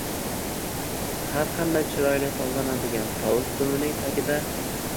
har qanday chiroyli tovlanadigan tovus dumining tagida